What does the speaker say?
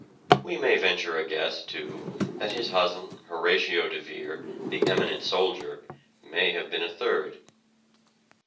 We may venture a guess, too, that his cousin, Horatio de Vere, the eminent soldier, may have been a third.